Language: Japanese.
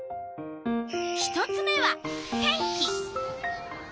１つ目は天気。